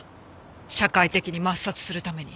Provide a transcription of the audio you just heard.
社会的に抹殺するために。